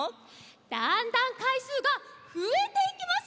だんだんかいすうがふえていきますよ！